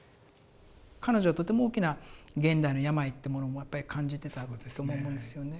彼女はとても大きな現代の病ってものもやっぱり感じてたとも思うんですよね。